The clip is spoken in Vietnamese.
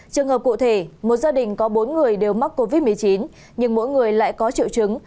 trường hợp cụ thể một gia đình có bốn người đều mắc covid một mươi chín nhưng mỗi người lại có triệu chứng